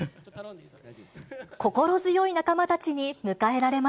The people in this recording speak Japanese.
心強い仲間たちに迎えられま